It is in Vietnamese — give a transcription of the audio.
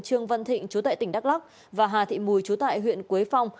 trương văn thịnh chú tại tỉnh đắk lắc và hà thị mùi chú tại huyện quế phong